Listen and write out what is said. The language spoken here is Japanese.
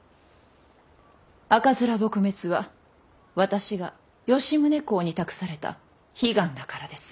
赤面撲滅は私が吉宗公に託された悲願だからです。